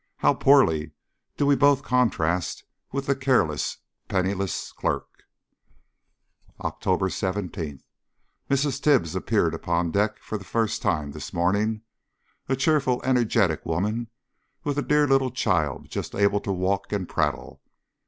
How poorly do we both contrast with the careless, penniless clerk! October 17. Mrs. Tibbs appeared upon deck for the first time this morning a cheerful, energetic woman, with a dear little child just able to walk and prattle.